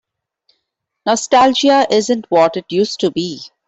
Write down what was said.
Nostalgia isn't what it used to be.